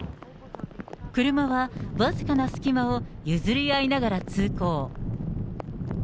車は僅かな隙間を譲り合いながら通行。